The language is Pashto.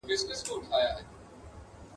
که هغه هر څومره خپلواکه سي